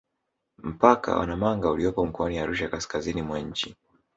Mpaka wa Namanga uliopo mkoani Arusha kaskazini mwa nchi